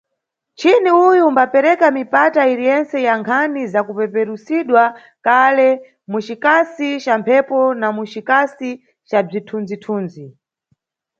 Mchini uyu umbapereka mipata iri yentse ya nkhani za kupeperusidwa kale, mu cikasi ca mphepo na mucikasi ca bzithunzi-thunzi.